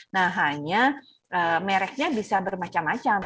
nah hanya mereknya bisa bermacam macam